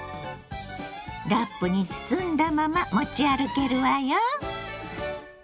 ラップに包んだまま持ち歩けるわよ。